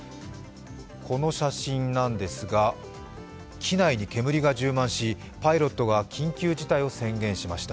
この写真なんですが機内に煙が充満しパイロットが緊急事態を宣言しました。